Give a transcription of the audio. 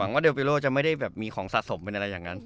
หวังว่าเดียร์เปียโร่จะไม่ได้แบบมีของสะสมเป็นอะไรอย่างนั้น